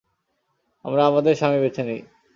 আমরা আমাদের স্বামী বেছে নিই!